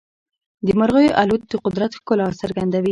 د مرغیو الوت د قدرت ښکلا څرګندوي.